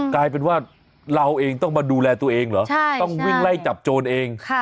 กลายเป็นว่าเราเองต้องมาดูแลตัวเองเหรอต้องวิ่งไล่จับโจรเอง